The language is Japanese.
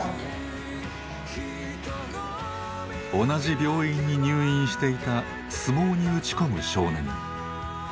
同じ病院に入院していた相撲に打ち込む少年。